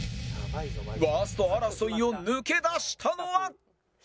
ワースト争いを抜け出したのは？